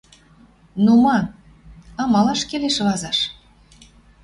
«Ну, ма? Амалаш келеш вазаш, —